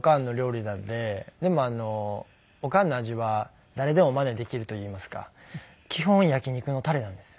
でもおかんの味は誰でもマネできるといいますか基本焼き肉のタレなんですよ。